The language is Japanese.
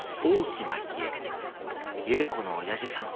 夕子のおやじさん。